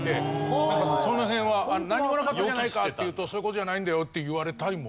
なんかその辺はなんにもなかったじゃないかって言うとそういう事じゃないんだよって言われたりも。